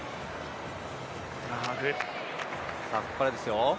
ここからですよ